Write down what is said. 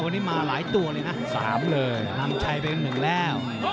น้ำใจเป็นหนึ่งแล้ว